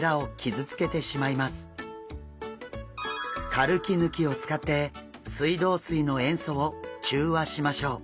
カルキ抜きを使って水道水の塩素を中和しましょう。